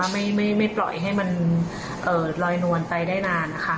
ไม่ปล่อยให้มันลอยนวลไปได้นานนะคะ